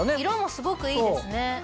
色もすごくいいですね。